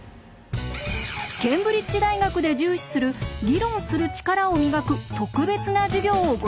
ケンブリッジ大学で重視する議論する力を磨く特別な授業をご紹介しましょう。